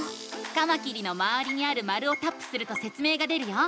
カマキリのまわりにある丸をタップするとせつ明が出るよ。